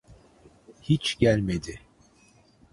Hiç gelmedi.